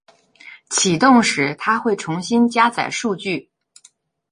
启动时，它会重新加载数据。